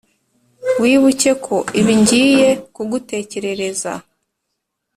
wibuke ko ibi ngiye kugutekerereza,